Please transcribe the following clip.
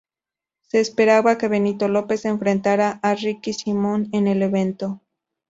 Se esperaba que Benito Lopez enfrentara a Ricky Simon en el evento.